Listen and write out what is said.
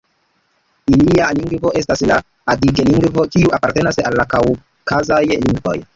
Ilia lingvo estas la adige-lingvo, kiu apartenas al la kaŭkazaj lingvoj.